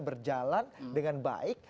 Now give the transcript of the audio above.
berjalan dengan baik